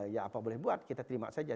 ya apa boleh buat kita terima saja